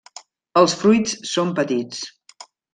Els fruits són petits.